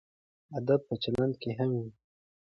ادب په چلند کې هم وي.